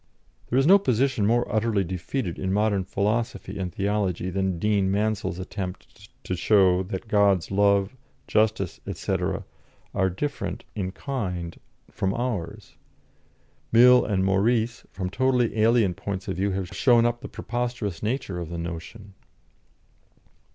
There is no position more utterly defeated in modern philosophy and theology than Dean Mansel's attempt to show that God's love, justice, &c., are different in kind from ours. Mill and Maurice, from totally alien points of view, have shown up the preposterous nature of the notion.